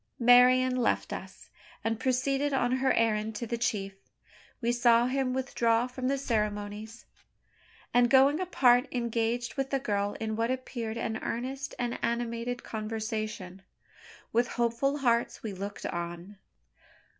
Marian left us, and proceeded on her errand to the chief. We saw him withdraw from the ceremonies, and, going apart, engage with the girl in what appeared an earnest and animated conversation. With hopeful hearts we looked on.